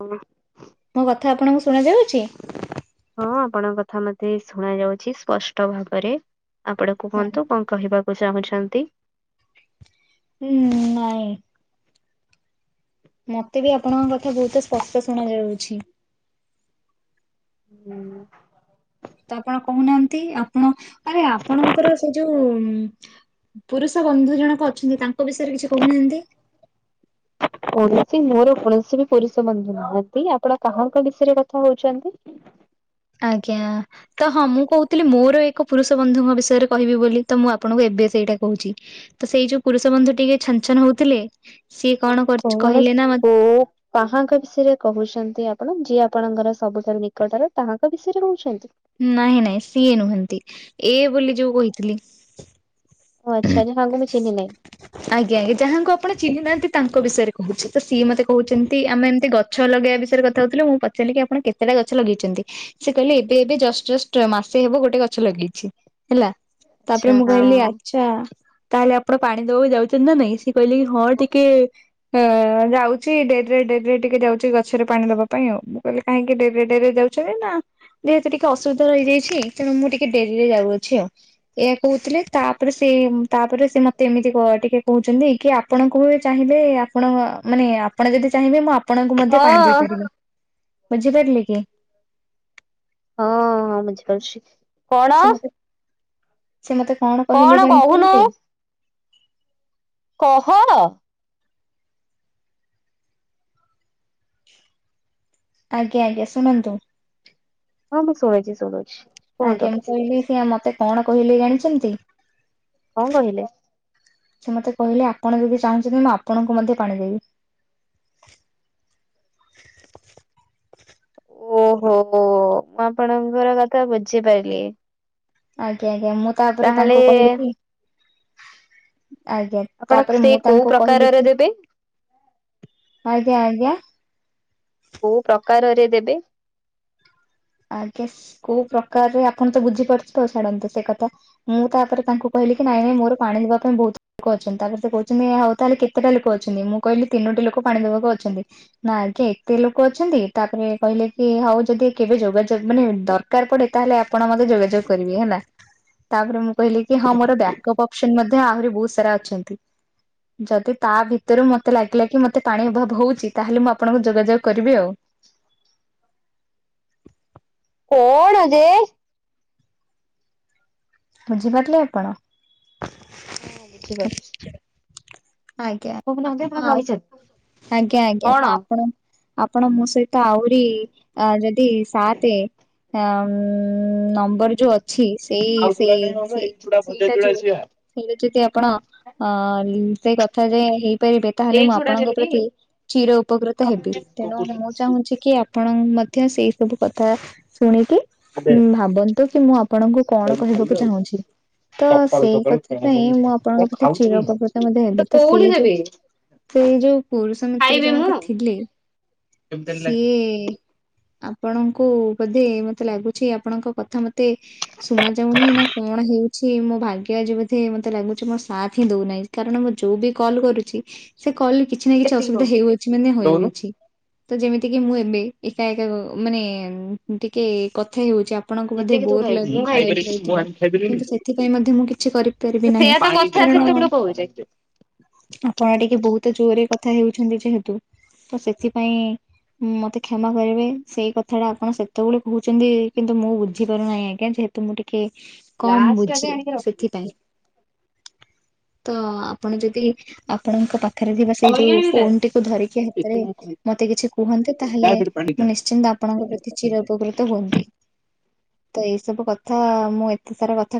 ହୁଁ। ମୋ କଥା ଆପଣଙ୍କୁ ଶୁଣାଯାଉଛି? ହଁ ଆପଣଙ୍କ କଥା ମତେ ଶୁଣା ଯାଉଛି ସ୍ପଷ୍ଟ ଭାବରେ ଆପଣ କୁହନ୍ତୁ କଣ? କହିବାକୁ ଚାହୁଁଛନ୍ତି। ହୁଁ ନାଇଁ। ମତେ ବି ଆପଣଙ୍କ କଥା ବହୁତ ସ୍ପଷ୍ଟ ଶୁଣା ଯାଉଛି। ହୁଁ। ତ ଆପଣ କହୁନାହାନ୍ତି ଆପଣ ମାନେ ଅପଣକର ସେ ଯୋଉ ପୁରୁଷ ବନ୍ଧୁ ଜଣକ ଅଛନ୍ତି ତାଙ୍କ ବିଷୟରେ କିଛି କହୁନାହାନ୍ତି? କୌଣସି ମୋର କୌଣସି ବି ପୁରୁଷ ବନ୍ଧୁ ନାହାନ୍ତି ଆପଣ କାହାଙ୍କ ବିଷୟରେ କଥା ହଉଛନ୍ତି? ଆଜ୍ଞା। ତ ହଁ ମୁଁ କହୁଥିଲି ମୋର ଏକ ପୁରୁଷ ବନ୍ଧୁଙ୍କ ବିଷୟରେ କହିବି ବୋଲି ତ ମୁଁ ଆପଣଙ୍କୁ ଏବେ ସେଇଟା କହୁଛି। ତ ସେଇ ଯୋଉ ପୁରୁଷ ବନ୍ଧୁ ଟିକେ ଛନ ଛନ ହଉଥିଲେ ସିଏ କଣ କଣ କହିଲେ ନା ସେ ଓ କାହାଙ୍କ ବିଷୟରେ କହୁଛନ୍ତି ଆପଣ? ଯିଏ ଆପଣଙ୍କର ସବୁଠାରୁ ନିକଟର ତାହାଙ୍କ ବିଷୟରେ କହୁଛନ୍ତି? ନାଇଁ ନାଇଁ ସିଏ ନୁହନ୍ତି ଏ ବୋଲି ଯୋଉ କହିଥିଲି। ଓ ଆଚ୍ଛା ଆଛା ତାଙ୍କୁ ମୁ ଚିହ୍ନିନାହିଁ। ଆଜ୍ଞା ଆଜ୍ଞା ଯାହାଙ୍କୁ ଆପଣ ଚିହ୍ନିନାହାନ୍ତି ତାଙ୍କ ବିଷୟରେ କହୁଛି ତ ସିଏ ମତେ କହୁଛନ୍ତି ଆମେ ଏମିତି ଗ ଛ ଲଗେଇବା ବିଷୟରେ କଥା ହଉଥିଲେ ମୁଁ ପଚାରିଲି କି ଆପଣ କେତେଟା ଗଛ ଲଗେଇଛନ୍ତି? ସେ କହିଲେ ଏବେ ଏବେ ଜଷ୍ଟ ଜଷ୍ଟ ମାସେ ହେବ ଗୋଟେ ଗଛ ଲଗେଇଛି ହେଲା। ଆଚ୍ଛା ତାପରେ ମୁଁ କହିଲି ହଁ। ଆଚ୍ଛା ତାହେଲେ ଆପଣ ପାଣି ଦବାକୁ ଯାଉଛନ୍ତି ନା ନାଇଁ? ସିଏ କହିଲେ କି ହଁ ଟିକେ ହଁ ଯାଉଛି ଡେରିରେ ଡେରିରେ ଟିକେ ଯାଉଛି ଗଛରେ ପାଣି ଦବା ପାଇଁ ମୁ କହିଲି କାହିଁକି ଡେରିରେ ଡେରିରେ ଯାଉଛନ୍ତି ନା? ଯେହେତୁ ଟିକେ ଅସୁବିଧା ରହିଯାଇଛି ତେଣୁ ମୁଁ ଟିକେ ଡେରିରେ ଯାଉଅଛି ଆଉ ଏହା କହୁଥିଲେ ତା ପରେ ସେ ତାପରେ ସେ ମୋତେ ଏମିତି କ ଟିକେ କହୁଛନ୍ତି କି ଆପଣଙ୍କୁ ବି ଚାହିଁଲେ ଆପଣ ମାନେ ଆ ଆପଣ ଯଦି ଚାହିଁବେ ମୁଁ ଆପଣଙ୍କୁ ମଧ୍ୟ ପାଣି ହଁ ଦେଇପାରିବି ବୁଝିପାରିଲେ କି? ହଁ ହଁ ବୁଝିପାରୁଛି କଣ? ସେ ମତେ ସେ ମତେ କଣ କହିଲେ ଜାଣିଛନ୍ତି? କହ। ଆଜ୍ଞା ଆଜ୍ଞା ଶୁଣନ୍ତୁ। ହଁ ମୁଁ ଶୁଣୁଛି ଶୁଣୁଛି। କୁହନ୍ତୁ ଆଜ୍ଞା ଆପଣ ମୁ କହିଲି ସିଏ ମତେ କଣ କହିଲେ ଜାଣିଛନ୍ତି? କଣ କହିଲେ? ସେ ମୋତେ କହିଲେ ଆପଣ ଯଦି ଚାହୁଁଛନ୍ତି ମୁଁ ଆପଣଙ୍କୁ ମଧ୍ୟ ପାଣି ଦେବି। ଓହୋ ହୋ ମୁଁ ଆପଣଙ୍କର କଥା ବୁଝିପାରିଲି। ଆଜ୍ଞା ଆଜ୍ଞା ମୁଁ ତାପରେ ତାଙ୍କୁ ତାହେଲେ କହିଲି କି ଆଜ୍ଞା। ଆପଣ ତାପରେ ସେଇ ମୁଁ କୋଉ ତାଙ୍କୁ କହିଲି ପ୍ରକାରରେ କି ଦେବେ ଆଜ୍ଞା ଆଜ୍ଞା। କୋଉ ପ୍ରକାରରେ ଦେବେ? ଆଜ୍ଞା କୋଉ ପ୍ରକାରର ଆପଣ ତ ବୁଝିପାରୁଛନ୍ତି ତ ଛାଡନ୍ତୁ ସେ କଥା। ମୁଁ ତାପରେ ତାଙ୍କୁ କହିଲି କି ନାଇଁ ନାଇଁ ମୋର ପାଣି ଦବା ପାଇଁ ବହୁତ କ ଅଛନ୍ତି ତାପରେ ସେ କହୁଛନ୍ତି ଆଉ ତାହେଲେ କେତେଟା ଲୋକ ଅଛନ୍ତି ମୁଁ କହିଲି ତିନୋଟି ଲୋକ ପାଣି ଦେବାକୁ ଅଛନ୍ତି। ନା ଆଜ୍ଞା ଏତେ ଲୋକ ଅଛନ୍ତି ତାପରେ କହିଲେ କି ହଉ ଯଦି କେବେ ଯୋଗାଯୋଗ ମାନେ ଦରକାର ପଡ଼େ ତାହେଲେ ଆପଣ ମତେ ଯୋଗାଯୋଗ କରିବେ ହେଲା। ତାପରେ ମୁଁ କହିଲି କି ହଁ ମୋର ବ୍ୟାକ୍ ଅପ୍ ଅପ୍ସନ ମଧ୍ୟ ଆହୁରି ବୋହୁତ ସାରା ଅଛନ୍ତି। ଯଦି ତା ଭିତରୁ ମତେ ଲାଗିଲା କି ମତେ ପାଣି ଅଭାବ ହଉଛି ତାହେଲେ ମୁଁ ଆପଣଙ୍କୁ ଯୋଗାଯୋଗ କରିବି ଆଉ। କଣ ଯେ? ବୁଝିପାରିଲେ ଆପଣ? ହଁ ବୁଝିପାରୁଛି। ଆଜ୍ଞା କହୁନାହାନ୍ତି ଆପଣ କହିଛନ୍ତି ଆଜ୍ଞା ଆଜ୍ଞା କଣ? ମୁଁ ଆପଣଙ୍କୁ ଆପଣ ମୋ ସହିତ ଆହୁରି ଆ ଯଦି ସାତେ ହଁ ନମ୍ବର ଯୋଉ ଅଛି ସେଇ ଆଉ ଚୁଡା ସେଇ ନାହିଁ ମାମା ଏଇ ଚୁଡା ସେ ଭଜା ଚୁଡା ସିଆ ଥିଲେ ଯଦି ଆପଣ ଅ ଲି ସେଇ କଥା ଯଦି ହେଇ [unintelligible] ତାହେଲେ ଏଇ ମୁଁ ଚୁଡା ଆପଣଙ୍କ ନେବିଟି? ପ୍ରତି ଚୀର ଉପକୃତ ହେବି ତେଣୁ ଏଇଆକୁ ମୁଁ ଚାହୁଁଛି କି ଆ ପଣ ମଧ୍ୟ ସେଇ ସବୁ କଥା ଶୁଣିକି ଉଁମ୍ ଭାବନ୍ତୁ କି ମୁଁ ଆ ପଣଙ୍କୁ କଣ ଖାଇବି କହିବାକୁ ଆଉ ଚାହୁଁଛି। ତ ସକାଳୁ ସେଇ ସକାଳୁ କଣ କଥା ପାଇଁ ମୁଁ ଆପଣଙ୍କ ପ୍ରତି ଖାଉଛି ଚିର ମୁଁ? ଉପକୃତ ମଧ୍ୟ ହେବି ତ କୋଉଠି ସେଇ ଯୋଉ ଦେବି ସେଇ ଯୋଉ ପୁରୁଷ ମିତ୍ର ଖାଇବି ମୁଁ? ଜଣକ ଥିଲେ। କେମିତି ହେଲେ ଲାଗିବ? ଏଇ ଆପଣଙ୍କୁ ବୋଧେ ମତେ ଲାଗୁଛି ଆପଣଙ୍କ କଥା ମତେ ଶୁଣା ଯାଉନି ନା କଣ ହେଉଛି ମୋ ଭାଗ୍ୟ ଆଜି ବୋଧେ ମତେ ଲାଗୁଛି ମୋ ସାଥ ହିଁ ଦୋଉନାହିଁ। କାରଣ ମୁଁ ଯୋଉ ବି କଲ୍ କରୁଛି ସେ କଲରେ କିଛି ନା କିଛି କେତିକି କଣ ଅସୁବିଧା ହେଉଅଛି ମାନେ ଦଉନୁ? ହେଉଅଛି। ତ ଯେମିତି କିି ମୁଁ ଏବେ ଏକା ଏକା କ ମାନେ ଟିକେ କଥା ହେଉଛି। ଆପଣଙ୍କୁ ବୋଧେ ଯେତିକି ତୁ ବୋର ଖାଇବୁ ମୁଁ ଲାଗ ଲାଗି ଖାଇପାରିବିନି ମୁଁ ଯାଇଥିବ ଆଣିକି ଖାଇପାରିବିନି? କିନ୍ତୁ ସେଥିପାଇଁ ମଧ୍ୟ ମୁଁ କିଛି କରିପାରିବି ନାହିଁ। ଥା କାରଣ ସେତେବେଳୁ କହୁଛି। ଆପଣ ଟିକେ ବୋହୁତ ଜୋରରେ କଥା ହେଉଛନ୍ତି ଯେହେତୁ ତ ସେଥିପାଇଁ ହୁଁ ମତେ କ୍ଷମା କରିବେ ସେଇ କଥା ଟା ଆପଣ ସେତେବେଳେ କହୁଛନ୍ତି କିନ୍ତୁ ମୁଁ ବୁଝିପାରୁନାହିଁ ଆଜ୍ଞା ଯେହେ ତୁ ମୁଁ ଟିକେ କମ୍ ଗ୍ଲାସ ଟା ବି ବୁଝେ ଆଣିକି ରଖିନି ସେଥିପାଇଁ। ତ ଆପଣ ଯଦି ଆପଣଙ୍କ ପାଖରେ ଥିବା ସେଇ ଧୋଇ ଯୋଉ ଆଣିବି ଗ୍ଲାସ। ଫୋନଟିକୁୁ ଧରିକି ହାତରେ ଆଉ ମତେ କିଛି କୁହନ୍ତେ ତାହେଲେ ମୁଁ ନିଶ୍ଚିନ୍ତ ଆପ୍ ପଣଙ୍କ ପ୍ରତି ଚିର ଉପକୃତ ହୁଅନ୍ତି ତ ଏଇ ସବୁ କଥା ମୁଁ ଏତେ ସାରା କଥା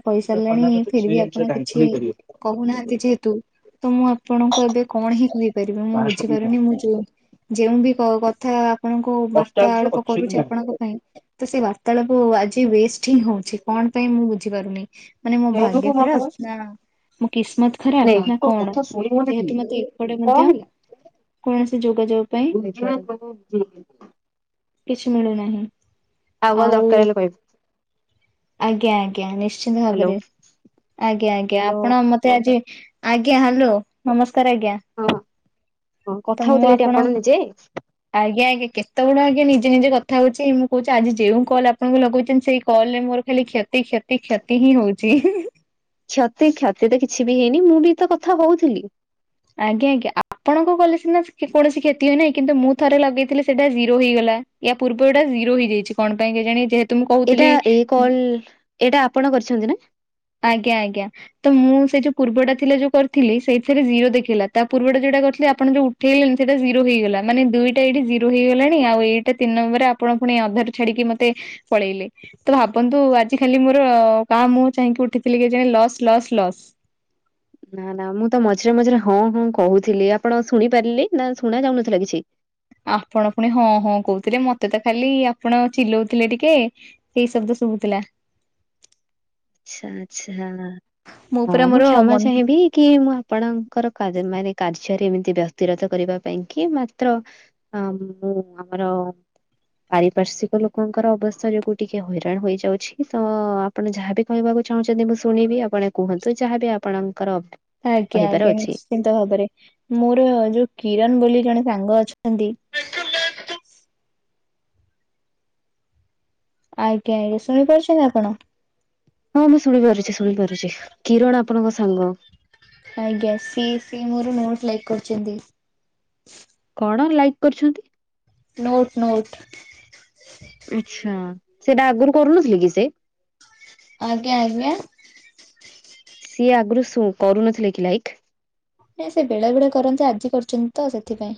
କଣ କହିଇସାରିଲେଣି ଫିର ବି ଆପଣ କିଛି କହୁନାହାନ୍ତି। ତୁ ତ ମୁଁ ଆପଣଙ୍କୁ ଏବେ କଣ ହି କହିପାରିବି ମୁଁ ବୁଝିପାରୁନି ମୁଁ ମୁଁ ଯେ-ଯେଉଁ ବି କ-କଥା ଆପଣଙ୍କୁ ବାର୍ତାଳାପ କରୁଛି ଆପଣଙ୍କ ପାଇଁ। ତ ସେ ବାର୍ତାଳାପ ଆଜି ୱେଷ୍ଟ ହିଁ ହଉଛି କଣ ପାଇଁ ମୁଁ ବୁଝିପାରୁନି। ମାନେ ମୋ ଭାଗ୍ୟ ଖରାପ ନା ମୋ କିସ୍ମତ ଖରାପ ନା କଣ ଯେହେତୁ ମତେ ଏପଟେ ମଧ୍ୟ କୌଣସି ଯୋଗାଯୋଗ ପାଇଁ କିଛି ମିଳୁନାହିଁ। ଆଉ କଣ ଦରକାର ହେଲେ କହିବୁ। ଆଜ୍ଞା ଆଜ୍ଞା ନିଶ୍ଚିନ୍ତ ହ୍ୟାଲୋ ଭାବରେ ଆଜ୍ଞା ଆଜ୍ଞା ହ୍ୟାଲୋ ଆପଣ ମତେ ଆଜି ଆଜ୍ଞା ହାଲୋ ନମସ୍କାର ଆଜ୍ଞା। ହଁ ହଁ କଥା ତ ମୁଁ ହଉଥିଲେ ଏଠି ଆପଣ ନିଜେ। ଆଜ୍ଞା ଆଜ୍ଞା କେତେବେଳୁ ଆଜ୍ଞା ନିଜେ ନିଜେ କଥା ହଉଛି ମୁଁ କହୁଛି ଆଜି ଯେଉଁ କଲ୍ ଆପଣଙ୍କୁ ଲଗଉଛନ୍ତି ସେଇ କଲ୍ ରେ ମୋର ଖାଲି କ୍ଷତି କ୍ଷତି କ୍ଷତି ହିଁ ହୋଉଛି। କ୍ଷତି କ୍ଷତି ତ କିଛି ବି ହେଇନି ମୁଁ ବି ତ କଥା କହୁଥିଲି। ଆଜ୍ଞା ଆଜ୍ଞା ଆପଣଙ୍କ କଲେ ସିନା କ୍ଷ କୌଣସି କ୍ଷତି ହେଇ ନାହିଁ କିନ୍ତୁ ମୁଁ ଥରେ ଲଗେଇଥିଲି ସେଇଟା ଜିରୋ ହେଇଗଲା। ୟା ପୂର୍ବ ଟା ଜିରୋ ହୋଇ ଯାଇଛି କଣ ପାଇଁ କେଜାଣି ଯେହେ ଏଇଟା ଏ କଲ ଏଇଟା ଆପଣ କରିଛନ୍ତି ନା? ଆଜ୍ଞା ଆଜ୍ଞା ଆଜ୍ଞା। ତ ମୁଁ ସେଇ ଯୋଉ ପୂର୍ବଟା ଥିଲେ ଯୋଉ କରିଥିଲି ସେଇଥିରେ ଜିରୋ ଦେଖିଲା ତା ପୂର୍ବଟା ଯୋଉଟା କରିଥିଲି ଆପଣ ଯୋଉ ଇଣି ସେଟା ଜିରୋଇଲା ମାନେ ଦୁଇଟା ଏଠିର ହେଇଲାଣି ଆ ଏଇଟା ତିନି ନମ୍ବର। ଆପଣ ପୁଣି ଅଧାରୁ ଛାଡିକି ମତେ ପଳେଇଲେ ତ ଭାବନ୍ତୁ ଆଜି ଖାଲି ମୋର [unintelligible] ଚାହିଁକି ଉଠିଥିଲି କେଜାଣି ଲସ୍ ଲସ୍ ଲସ୍। ନା ନା ମୁଁ ତ ମଝିରେ ମଝିରେ ହଁ ହଁ କହୁଥିଲି ଆପଣ ଶୁଣିପାରିଲେ ନା ଶୁଣା ଯାଉନଥିଲା କିଛି? ଆପଣ ପୁଣି ହଁ ହଁ କହୁଥିଲେ ମତେ ତ ଖାଲି ଆପଣ ଚିଲଉଥିଲେ ଟିକେ ସେଇ ଶବ୍ଦ ଶୁଭୁଥିଲା। ଆଛା ଆଛା ପୁରା ହଁ ମୁଁ ମୋର କ୍ଷମା ମନ ଚାହିଁବି କି ମୁଁ ଆପଣଙ୍କର ମାନେ କାର୍ଯ୍ୟରେ ଏମିତି ବ୍ୟକ୍ତିରତ କରିବା ପାଇଁ କି ମାତ୍ର ହ ମୁଁ ଆମର ପାରିପାର୍ଶଵିକ ଲୋକଙ୍କର ଅବସ୍ଥା ଯୋଗୁ ଟିକେ ହଇରାଣ ହେଇଯାଉଛି ତ ଆପଣ ଯାହାବି କହିବାକୁ ଚାହୁଁଛନ୍ତି ମୁଁ ଶୁଣିବି ଆପଣ କୁହନ୍ତୁ ଯାହାବି ଆପଣଙ୍କର ଆଜ୍ଞା କହିବାର ଆଜ୍ଞା ଅଛି। ନିଶ୍ଚିନ୍ତ ଭାବରେ ମୋର ଯୋଉ କିରଣ ବୋଲି ଜଣେ ସାଙ୍ଗ ଅଛନ୍ତି ଆଜ୍ଞା ଆଜ୍ଞା ଶୁଣିପାରୁଛନ୍ତି ଆପଣ? ହଁ ମୁଁ ଶୁଣିପାରୁଛି ଶୁଣିପାରୁଛି କିରଣ ଆପଣଙ୍କ ସାଙ୍ଗ। ଆଜ୍ଞା ସିଏ ସି ମୋର ନୋଟ ଲାଇକ୍ କରୁଛନ୍ତି। କଣ ଲାଇକ୍ କରିଛନ୍ତି? Note note. ଆଛା ସେଇଟା ଆଗରୁ କରୁନଥିଲେ କି ସେ? ଆଜ୍ଞା ଆଜ୍ଞା? ସିଏ ଆଗରୁ କରୁନଥିଲେ କି ଲାଇକ୍? ନାଇଁ ସେ ବେଳେ ବେଳେ କରନ୍ତି ଆଜି କରିଛନ୍ତି ତ ସେଥିପାଇଁ।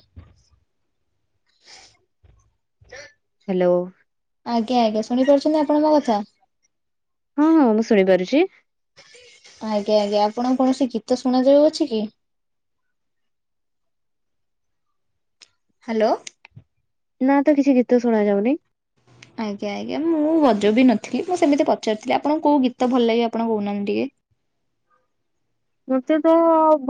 ହ୍ୟାଲୋ। ଆଜ୍ଞା ଆଜ୍ଞା ଶୁଣିପାରୁଛନ୍ତି ଆପଣ ମୋ କଥା? ହଁ ହଁ ମୁଁ ଶୁଣିପାରୁଛି। ଆଜ୍ଞା ଆଜ୍ଞା ଆପଣଙ୍କୁ କୌଣସି ଗୀତ ଶୁଣାଯାଉଅଛି କି? ହ୍ୟାଲୋ। ନା ତ କିଛି ଗୀତ ଶୁଣା ଯାଉନି। ଆଜ୍ଞା ଆଜ୍ଞା ମୁଁ ବଜୋଉ ବି ନଥିଲି ମୁଁ ସେମିତି ପଚାରୁଥିଲି ଆପଣଙ୍କୁ କେଉଁ ଗୀତ ଭଲ ଲାଗେ ଆପଣ କହୁନାହାନ୍ତି ଟିକେ? ମତେ ତ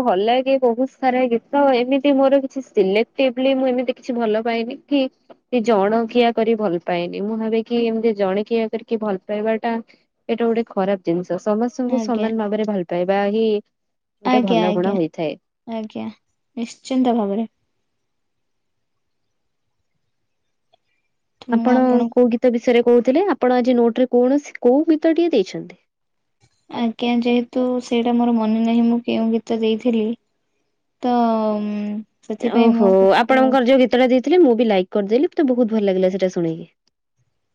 ଭଲାଗେ ବହୁତ ସାରା ଗୀତ ଏମିତି ମୋର କିଛି ସିଲେକ୍ ମୁଁ ଏମିତି କିଛି ଭଲ ପାଇଏନି କି ସେ ଜଣ କିିଆ କରି ଭଲ ପାଏନି ମୁଁ ଭାବିକି ଏମତି ଜଣେ କିିଆ କରିକି ଭଲ ପାଇବା ଟା ଏଇଟା ଗୋଟେ ଖରାପ ଜିନିଷ ଟିକେ? ସମସ୍ତଙ୍କୁ ଆଜ୍ଞା ସମାନ ଭାବରେ ଭଲ ପାବା ହଇ ଆଜ୍ଞା ଆଜ୍ଞା ଆଜ୍ଞା ନିଶ୍ଚିନ୍ତ ଭାବରେ। ତ ମୁଁ ଆପଣ କୋଉ ଗୀତ ବିଷୟରେ କହୁଥିଲେ ଆପଣ ଆଜି ନୋଟ ରେ କୌଣସି କୋଉ ଗୀତ ଟିକଏ ଦେଇଛନ୍ତି? ଆଜ୍ଞା ଯେହେତୁ ସେଇଟା ମୋର ମନେ ନାହିଁ ମୁଁ କେଉଁ ଗୀତ ଦେଇଥିଲି ତ ସେଥିପାଇଁ ମୁଁ ଓହୋ ଆପଣଙ୍କୁ ଆପଣଙ୍କର ଯୋଉ ଗୀତଟା ଦେଇଥିଲଥିଲେ ମୁଁ ବି ଲାଇକ୍ କରିଦେଲି ତେ ବହୁତ ଭଲ ଲାଗିଲା ସେଇଟା ଶୁଣିକି।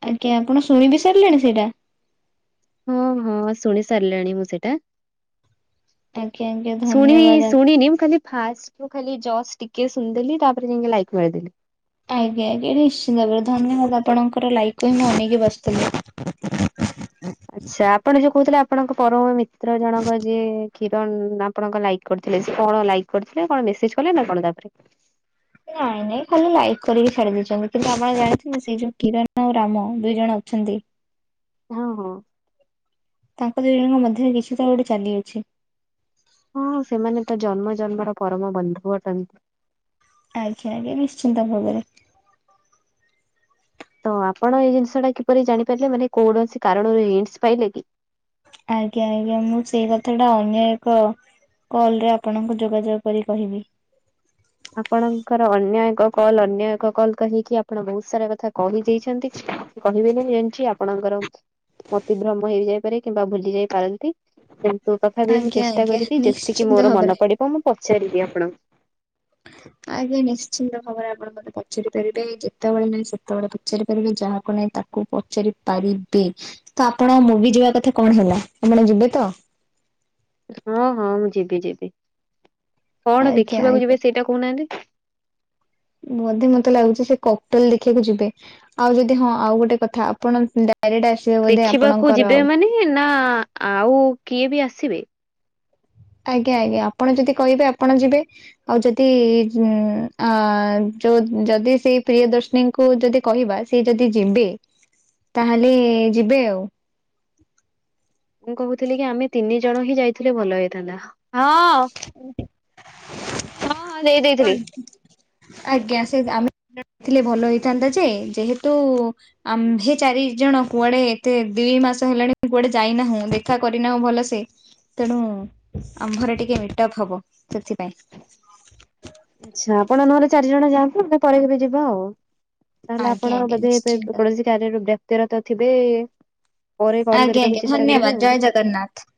ଆଜ୍ଞା ଆପଣ ଶୁଣି ବି ସାରିଲେଣି ସେଇଟା? ହଁ ହଁ ଶୁଣି ସାରିଲାଣି ମୁଁ ସେଇଟା ମି। ଆଜ୍ଞା ଆଜ୍ଞା ଶଣି ଧନ୍ୟବାଦ ଶୁଣି ନିମ ଖାଲି ଫାଷ୍ଟ ଖାଲି ଜସ୍ ଟିକେ ଶୁଣିଦେଲି ତାପରେ ଯକି ଲାଇକ୍ ମାରଦେଲି। ଆଜ୍ଞା ଆଜ୍ଞା ନିଶ୍ଚିନ୍ତ ଭାବରେ ଧନ୍ୟବାଦ ଆପଣଙ୍କର ଲାଇକ୍ କୁ ହିଁ ମୁଁ ଅନେଇଁକି ବସିଥିଲି। ଆଚ୍ଛା ଆପଣ ଯୋଉ କହୁଥିଲେ ଆପଣଙ୍କ ପରମ ମିତ୍ର ଜଣଙ୍କ ଯିଏ କ୍ଷୀରଣ ନା ଆପଣଙ୍କ ଲାଇକ୍ କରିଥିଲେ ସେ କଣ ଲାଇକ୍ କରିଥିଲେ କଣ ମେସେଜ କଲେ ନା କଣ ତାପରେ? ନାଇଁ ନାଇଁ ଖାଲି ଲାଇକ୍ କରିକି ଛାଡି ଦେଇେଇଛନ୍ତି କିନ୍ତୁ ଆପଣ ଜାଣିଚନ୍ତି ସେ ଯୋଉ କିରଣ ଆଉ ରାମ ଦୁଇ ଜଣ ଅଛନ୍ତି ହଁ ହଁ। ତାଙ୍କ ଦୁଇ ଜଣଙ୍କ ମଧ୍ୟରେ କିଛି ତ ଗୋଟେ ଚାଲିଅଛି। ହଁ ସେମାନେ ତ ଜନ୍ମ ଜନ୍ମର ପରମ ବନ୍ଧୁ ଅଟନ୍ତି। ଆଜ୍ଞା ଆଜ୍ଞା ନିଶ୍ଚିନ୍ତ ଭାବରେ। ତ ଆପଣ ଏଇ ଜିନିଷ ଟା କିପରି ଜାଣିପାରିଲେ ମାନେ କୌଣସି କାରଣରୁ ହିଣ୍ଟସ ପାଇଲେ କି? ଆଜ୍ଞା ଆଜ୍ଞା ମୁଁ ସେଇ କଥା ଟା ଅନ୍ୟ ଏକ କଲ୍ ରେ ଆପଣଙ୍କୁ ଯୋଗାଯୋଗ କରି କହିବି। ଆପଣଙ୍କର ଅନ୍ୟ ଏକ କଲ ଅନ୍ୟ ଏକ କଲ କହିକି ଆପଣ ବହୁତ ସାରା କଥା କହିଦେଇଚନ୍ତି। କହିବେନି ଜାଣିଚି ଆପଣଙ୍କର ମତିଭ୍ରମ ହେଇ ଯାଇପାରେ କିମ୍ବା ଭୁଲି ଯାଇ ପାରନ୍ତି। ତଥାପି ମୁଁ ଆଜ୍ଞା ଚେଷ୍ଟା ଆଜ୍ଞା କରିବି ଯେତିକି ନିଶ୍ଚିନ୍ତ ମୋର ଭାବରେ। ମନ ପଡିବ ମୁଁ ପଚାରିବି ଆପଣଙ୍କୁ। ଆଜ୍ଞା ନିଶ୍ଚିନ୍ତ ଭବରେ ଆପଣ ମତେ ପଚାରି ପାରିବେ ଯେତେବେଳେ ନାହିଁ ସେତେବେଳେ ପଚାରି ପାରିବେ। ଯାହାକୁ ନାହିଁ ତାକୁ ପଚାରି ପାରିବେ। ତ ଆପଣ ମୁଁ ବି ଯିବା କଥା କଣ ହେଲା ଆପଣ ଯିବେ ତ? ହଁ ହଁ ମୁଁ ଯିବି ଯିବି। କଣ ଆଜ୍ଞା ଦେଖିବାକୁ ଆଜ୍ଞା। ଯିବେ ସେଇଟା କହୁନାହାନ୍ତି? ବୋଧେ ମତେ ଲାଗୁଚି ସେ କପଲ ଦେଖିବାକୁ ଯିବେ। ଆଉ ଯଦି ହଁ ଆଉ ଗୋଟେ କଥା ଆପଣ ଡାଇରେକଟ ଆସ ଦେଖିବାକୁ ଯିବେ ମାନେ ନା ଆଉ କିଏ ବି ଆସିବେ? ଆଜ୍ଞା ଆଜ୍ଞା ଆପଣ ଯଦି କହିବେ ଆପଣ ଯିବେ। ଆଉ ଯଦି ଉ ଆ ଯୋଉ ଯଦି ସେଇ ପ୍ରିୟ ଦର୍ଶନୀ କୁ ଯଦି କହିବା ସି ଯଦି ଯିବେ ତାହେଲେ ଯିବେ ଆଉ। ମୁଁ କହୁଥିଲି କି ଆମେ ତିନି ଜଣ ହିଁ ଯାଇଥିଲେ ଭଲ ହେଇଥାନ୍ତା। ହଁ ହୁ ହଁ ହଁ ଦେଇ ଦେଇଥିଲି। ଆଜ୍ଞା। ଆଜ୍ଞା ସେ ଆମେଥିଲେ ଭଲ ହେଇଥାନ୍ତା ଯେ ଯେହେତୁ ଆମ୍ଭେ ଚାରି ଜଣ କୁଆଡେ ଏତେ ଦି ମାସ ହେଲାଣି କୁଆଡେ ଯାଇନାହୁଁ। ଦେଖା କରିନାହୁ ଭଲସେ ତେଣୁ ଆମ୍ଭରେ ଟିକେ ମିଟଅପ୍ ହବ ସେଥିପାଇଁ। ଆଚ୍ଛା ଆପଣ ନହେଲେ ଚାରି ଜଣ ଯାଆନ୍ତୁ ଆମେ ପରେ କେବେ ଯିବା ଆଉ। ତାହେଲେ ଆଜ୍ଞା ଆପଣ ଆଜ୍ଞା ବୋଧେ ନିଶ୍ଚିନ୍ତ କୌଣସି କାରଯ୍ୟରୁ ବ୍ୟକ୍ତିରତ ଥିବେ ପରେ କଲ୍ କରିବାକୁ ଚେଷ୍ଟା କରିବେ ଆଉ। ଗନ୍ନାଥ